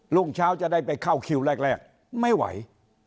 รุ่งเช้าจะได้ไปเข้าคิวแรกไม่ไหว